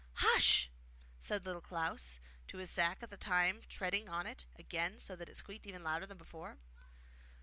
'Hush!' said Little Klaus to his sack, at the same time treading on it again so that it squeaked even louder than before.